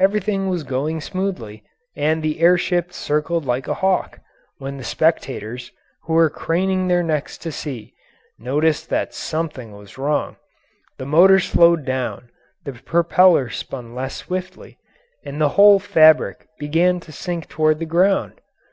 Everything was going smoothly, and the air ship circled like a hawk, when the spectators, who were craning their necks to see, noticed that something was wrong; the motor slowed down, the propeller spun less swiftly, and the whole fabric began to sink toward the ground.